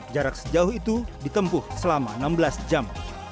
jarak sejauh itu ditempuh selama enam belas jam